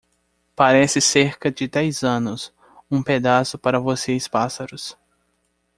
Parece cerca de dez anos um pedaço para vocês pássaros.